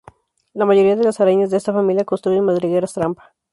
La mayoría de las arañas de esta familia construyen madrigueras trampa.